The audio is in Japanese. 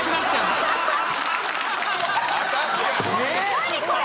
何これ？